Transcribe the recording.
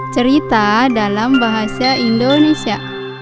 cerita dalam bahasa indonesia